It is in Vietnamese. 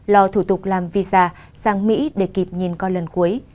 lò thủ tục làm visa sang mỹ để kịp nhìn con lần cuối